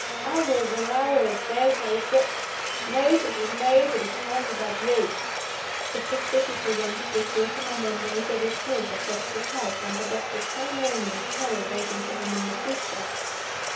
"Hours on hours, there's how he sits! Notices nobody. Cries about you." The picture she presented recalled to my memory the Report of Dexter's health, and the doctor's plain warning of peril waiting for him in the future.